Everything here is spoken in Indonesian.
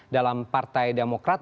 dalam partai demokrat